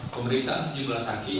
pemeriksaan sejumlah saksi